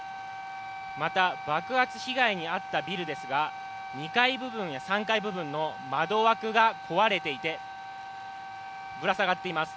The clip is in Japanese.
また、爆発被害に遭ったビルですが２階部分や３階部分の窓枠が壊れていて、ぶら下がっています。